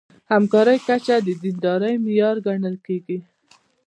همکارۍ کچه د دیندارۍ معیار ګڼل کېږي.